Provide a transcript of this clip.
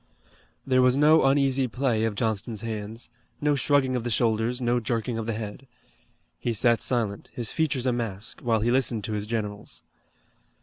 There was no uneasy play of Johnston's hands, no shrugging of the shoulders, no jerking of the head. He sat silent, his features a mask, while he listened to his generals.